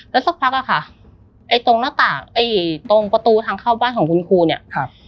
แล้วสักพักอะค่ะตรงประตูทางเข้าบ้านของคุณครูเนี่ย